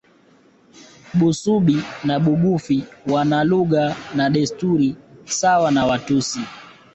Busubi na Bugufi wana lugha na desturi sawa na Watusi